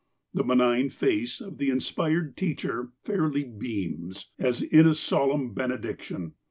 The benign face of the inspired teacher fairly beams, as in a solemn benediction.